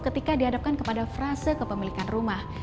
ketika dihadapkan kepada frase kepemilikan rumah